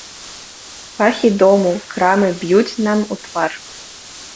Пахі дому, крамы б'юць нам у твар.